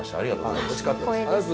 おいしかったです。